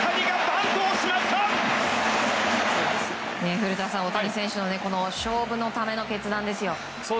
古田さん、大谷選手の勝負のための決断ですよ。